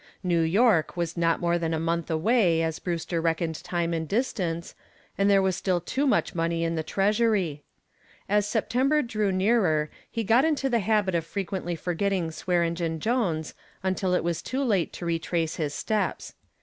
New York was not more than a month away as Brewster reckoned time and distance, and there was still too much money in the treasury. As September drew nearer he got into the habit of frequently forgetting Swearengen Jones until it was too late to retrace his steps.